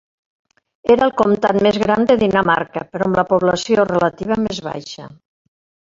Era el comtat més gran de Dinamarca, però amb la població relativa més baixa.